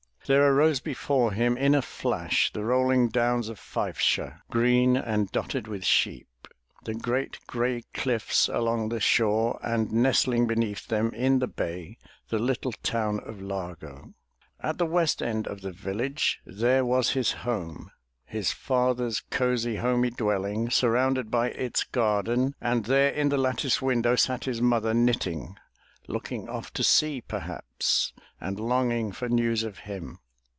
There rose before him in a flash the rolling downs of Fifeshire, green and dotted with sheep, the great gray cliffs along the shore, and nestling beneath them in the bay, the little town of Largo. At the west end of the village there was his home, his father's cozy, homey dwelling, surrounded by its garden, and there in the lattice window sat his mother knitting, looking off to sea perhaps and longing for news of him.